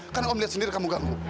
karena om lihat sendiri kamu ganggu